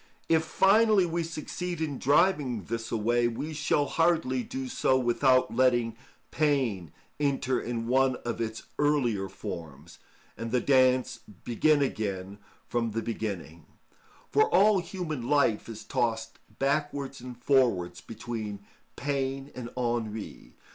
If finally we succeed in driving this away, we shall hardly do so without letting pain enter in one of its earlier forms, and the dance begin again from the beginning; for all human life is tossed backwards and forwards between pain and ennui.